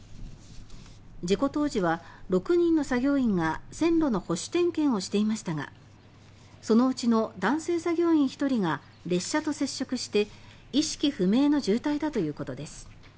事故当時は６人の作業員が線路の保守点検をしていましたがそのうちの男性作業員１人が列車と接触して意識不明の重体だということです